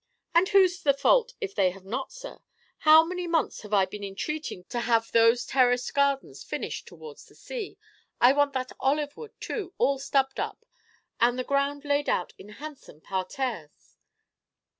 "And whose the fault if they have not, sir? How many months have I been entreating to have those terraced gardens finished towards the sea? I want that olive wood, too, all stubbed up, and the ground laid out in handsome parterres.